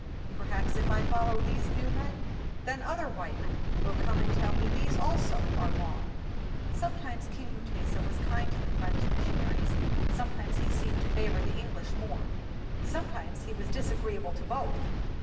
Perhaps if I follow these new men, then other white men will come and tell me these also are wrong." Sometimes King Mu tesa was kind to the French missionaries: sometimes he seemed to favor the English more. Sometimes he was disagreeable to both.